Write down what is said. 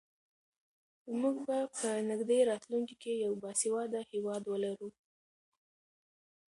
موږ به په نږدې راتلونکي کې یو باسواده هېواد ولرو.